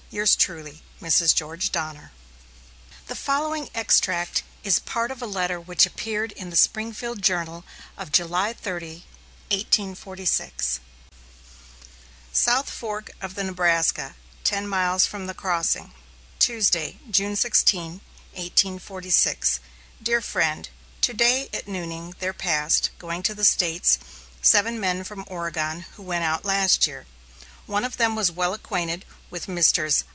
Yours truly, MRS. GEORGE DONNER. The following extract is part of a letter which appeared in The Springfield Journal of July 30, 1846: SOUTH FORK OF THE NEBRASKA, TEN MILES FROM THE CROSSING, Tuesday, June 16, 1846 DEAR FRIEND: To day, at nooning, there passed, going to the States, seven men from Oregon, who went out last year. One of them was well acquainted with Messrs.